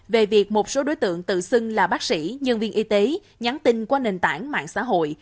về việc một số đối tượng tự xưng là bác sĩ nhân viên y tế nhắn tin qua nền tảng mạng xã hội